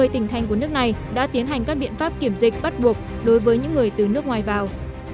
một mươi tỉnh thành của nước này đã tiến hành các biện pháp kiểm dịch bắt buộc đối với những người từ nước ngoài vào